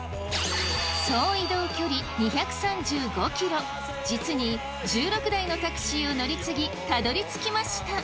総移動距離２３５ｋｍ実に１６台のタクシーを乗り継ぎたどり着きました。